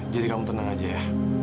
jadi kamu tenang aja ya